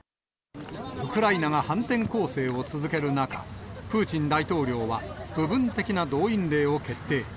ウクライナが反転攻勢を続ける中、プーチン大統領は部分的な動員令を決定。